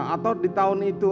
atau di tahun itu